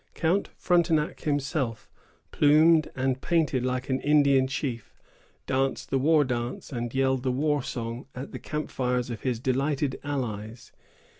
Count Frontenac himself, plumed and painted like an Indian chief, danced the war dance and yelled the war song at the camp fires of his delighted allies.